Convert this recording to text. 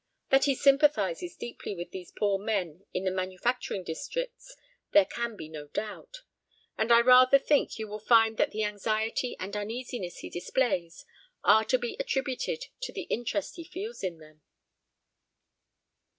That he sympathises deeply with these poor men in the manufacturing districts, there can be no doubt; and I rather think you will find that the anxiety and uneasiness he displays are to be attributed to the interest he feels in them."